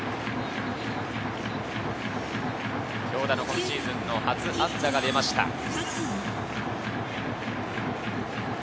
京田の今シーズンの初安打が出ました。